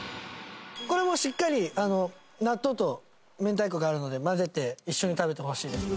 これもしっかり納豆と明太子があるので混ぜて一緒に食べてほしいです。